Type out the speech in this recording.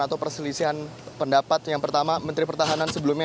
atau perselisihan pendapat yang pertama menteri pertahanan sebelumnya